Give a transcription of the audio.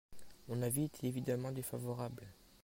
Mon avis est évidemment défavorable.